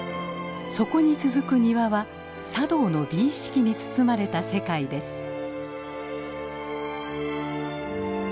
そこに続く庭は茶道の美意識に包まれた世界です。